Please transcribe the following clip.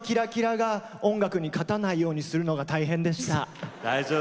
自分のキラキラが音楽に勝たないようにするのが大変でした。